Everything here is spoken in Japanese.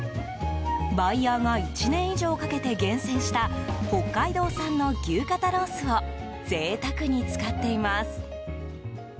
バイヤーが１年以上かけて厳選した北海道産の牛肩ロースを贅沢に使っています。